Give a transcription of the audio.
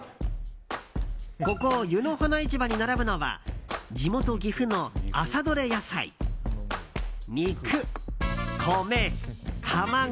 ここ、湯の華市場に並ぶのは地元・岐阜の朝どれ野菜肉、米、卵。